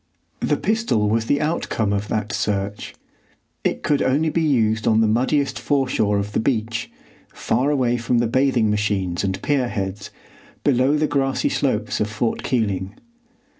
The pistol was the outcome of that search. It could only be used on the muddiest foreshore of the beach, far away from the bathing machines and pierheads, below the grassy slopes of Fort Keeling.